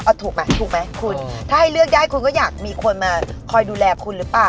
เอาถูกไหมถูกไหมคุณถ้าให้เลือกได้คุณก็อยากมีคนมาคอยดูแลคุณหรือเปล่า